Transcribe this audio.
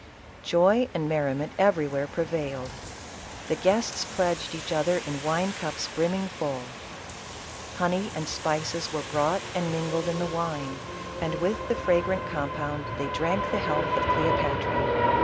Joy and merriment everywhere prevailed. The guests pledged each other in wine cups brimming full. Honey and spices were brought and mingled in the wine, and with the fragrant compound they drank the 38 CLEOPATRA. health of Cleopatra.